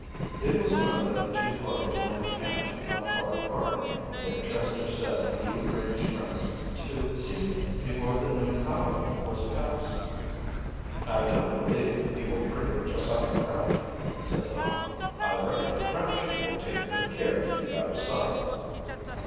It was learned that the two parties were encamped not far apart, and Dick Chester said he would bring his friends to, see them before the noon hour was passed. "I don't believe he will bring Josiah Crabtree," said Tom. "I reckon Crabtree will take good care to keep out of sight."